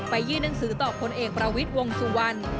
ยื่นหนังสือต่อพลเอกประวิทย์วงสุวรรณ